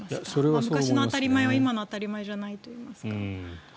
昔の当たり前は今の当たり前じゃないといいますか。